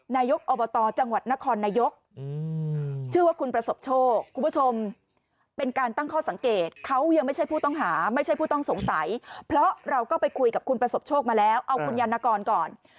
นายกอบตจังหวัดนครนายกชื่อว่าคุณประสบโชคคุณผู้ชมเป็นการตั้งข้อสังเกตเขายังไม่ใช่ผู้ต้องหาไม่ใช่ผู้ต้องสงสัยเพราะเราก็ไปคุยกับคุณประสบโชคมาแล้วเอาคุณยานกรก่อน